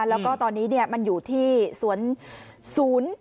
แล้วก็ตอนนี้มันอยู่ที่สวนศูนย์